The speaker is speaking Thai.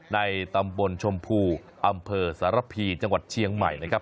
ในตำบลชมพูอำเภอสารพีจังหวัดเชียงใหม่นะครับ